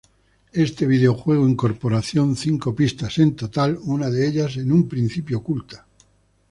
Este videojuego incorporación Cinco Pistas en total, una de Ellas En Un Principio oculta.